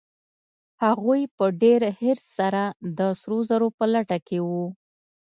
هغوی په ډېر حرص سره د سرو زرو په لټه کې وو.